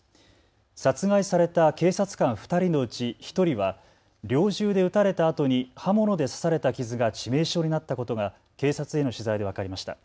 殺害された警察官２人のうち１人は猟銃で撃たれたあとに刃物で刺された傷が致命傷になったことが警察への取材で分かりました。